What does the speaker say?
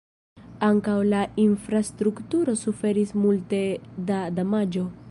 Ankaŭ la infrastrukturo suferis multe da damaĝo.